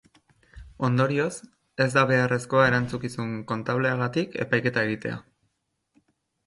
Ondorioz, ez da beharrezkoa erantzukizun kontableagatik epaiketa egitea.